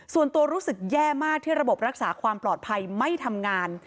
ส่วนตัวรู้สึกแย่มากที่ระบบรักษาความปลอดภัยไม่ทำงาน